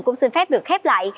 cũng xin phép được khép lại